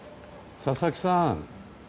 佐々木さん